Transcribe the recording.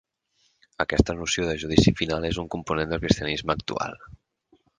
Aquesta noció de Judici Final és un component del cristianisme actual.